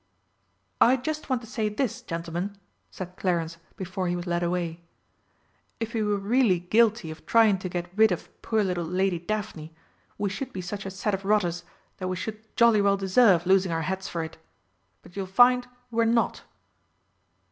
"I just want to say this, Gentlemen," said Clarence before he was led away: "if we were really guilty of trying to get rid of poor little Lady Daphne, we should be such a set of rotters that we should jolly well deserve losing our heads for it. But you'll find we're not."